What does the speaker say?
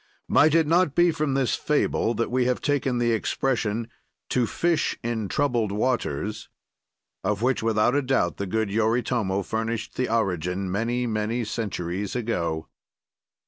Might it not be from this fable that we have taken the expression, "to fish in troubled waters," of which without a doubt the good Yoritomo furnished the origin many, many centuries ago?